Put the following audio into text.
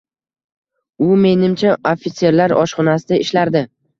U menimcha ofitserlar oshxonasida ishlardi